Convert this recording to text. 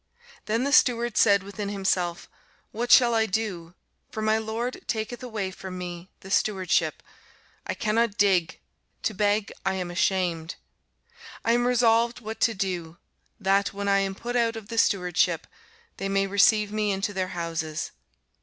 Then the steward said within himself, What shall I do? for my lord taketh away from me the stewardship: I cannot dig; to beg I am ashamed. I am resolved what to do, that, when I am put out of the stewardship, they may receive me into their houses.